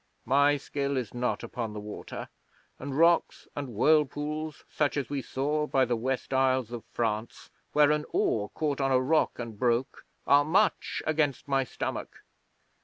My skill is not upon the water; and rocks and whirlpools such as we saw by the West Isles of France, where an oar caught on a rock and broke, are much against my stomach.